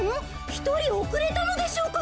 ひとりおくれたのでしょうか？